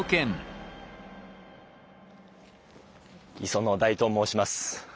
磯野大と申します。